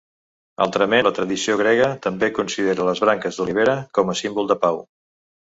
Altrament, la tradició grega també considera les branques d'olivera com a símbol de pau.